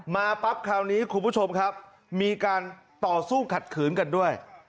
มาปั๊บคราวนี้คุณผู้ชมครับมีการต่อสู้ขัดขืนกันด้วย